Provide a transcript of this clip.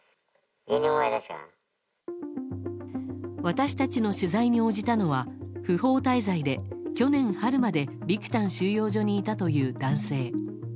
私たちの取材に応じたのは不法滞在で去年春までビクタン収容所にいたという男性。